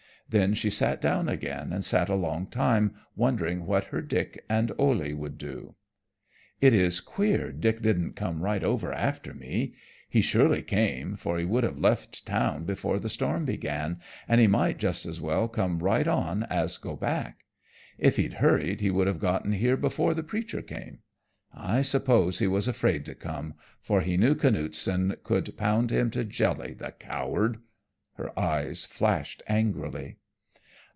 Then she sat down again and sat a long time wondering what her Dick and Ole would do. "It is queer Dick didn't come right over after me. He surely came, for he would have left town before the storm began and he might just as well come right on as go back. If he'd hurried he would have gotten here before the preacher came. I suppose he was afraid to come, for he knew Canuteson could pound him to jelly, the coward!" Her eyes flashed angrily.